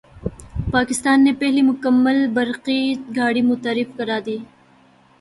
پاکستان نے پہلی مکمل برقی گاڑی متعارف کرادی